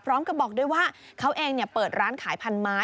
พร้อมกับบอกด้วยว่าเขาเองเปิดร้านขายพันธุ์ม้า